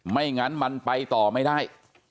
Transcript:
ไม่งั้นมันไปต่อไม่ได้